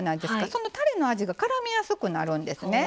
そのたれの味がからみやすくなるんですね。